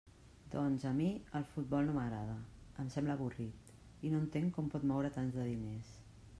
Doncs, a mi, el futbol no m'agrada; em sembla avorrit, i no entenc com pot moure tants de diners.